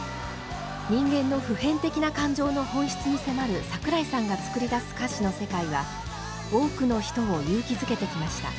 人間の普遍的な感情の本質に迫る桜井さんが作り出す歌詞の世界は多くの人を勇気づけてきました。